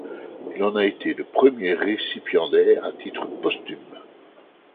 Il en a été le premier récipiendaire, à titre posthume.